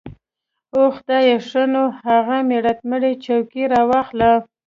اوح خدايه ښه نو اغه ميراتمړې چوکۍ راواخله.